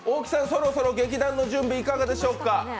そろそろ劇団の準備いかがでしょうか？